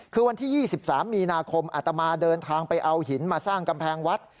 คือวันที่๒๓มีนาคมอัตมาเดินทางไปเอาหินมาสร้างกำแพงวัด